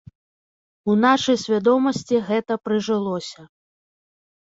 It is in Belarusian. У нашай свядомасці гэта прыжылося.